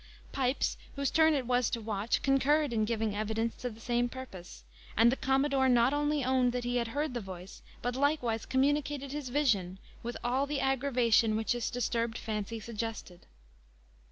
Pipes, whose turn it was to watch, concurred in giving evidence to the same purpose; and the commodore not only owned that he had heard the voice, but likewise communicated his vision, with all the aggravation which his disturbed fancy suggested.